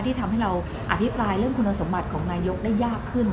ที่ทำให้เราอภิปรายเรื่องคุณสมบัติของนายกได้ยากขึ้น